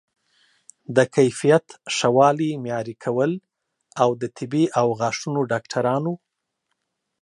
د کیفیت ښه والی معیاري کول او د طبي او غاښونو ډاکټرانو